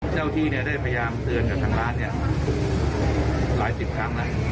เจ้าที่ได้พยายามเตือนกับทางร้านหลายสิบครั้งแล้ว